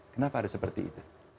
kenapa ada seperti itu